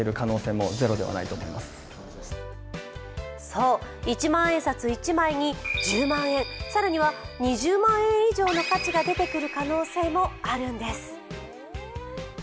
そう、一万円札１枚に１０万円、更には２０万円以上の価値が出てくる可能性もあるんです。